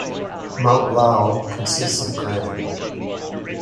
Mount Lao consists of granite.